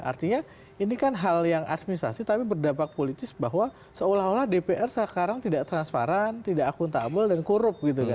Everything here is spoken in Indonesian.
artinya ini kan hal yang administrasi tapi berdampak politis bahwa seolah olah dpr sekarang tidak transparan tidak akuntabel dan korup gitu kan